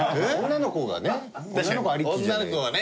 女の子はね